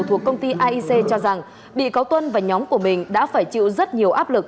thuộc công ty aic cho rằng bị cáo tuân và nhóm của mình đã phải chịu rất nhiều áp lực